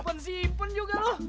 penyimpen juga lo